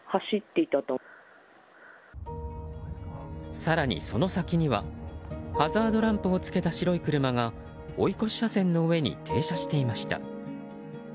更に、その先にはハザードランプをつけた白い車が追い越し車線の上に停車していました。